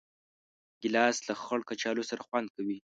ګیلاس له خړ کچالو سره خوند کوي.